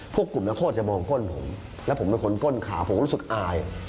พวกกลุ่มนักโทษจะมองก้นผมและผมเป็นคนก้นขาผมก็รู้สึกอาย